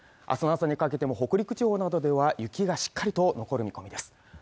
明日の朝にかけても北陸地方などでは雪がしっかりと残る見込みです